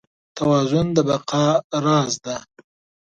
توازن د بقا راز دی.